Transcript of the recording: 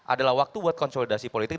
adalah waktu buat konsolidasi politik